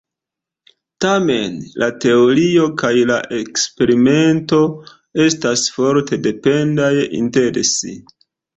Tamen, la teorio kaj la eksperimento estas forte dependaj inter si.